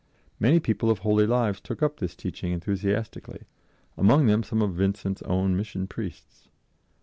Many people of holy lives took up this teaching enthusiastically, among them some of Vincent's own Mission Priests.